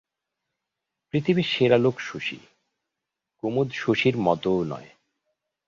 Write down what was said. পৃথিবীর সেরা লোক শশী, কুমুদ শশীর মতোও নয়।